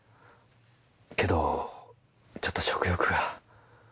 けどちょっと食欲が。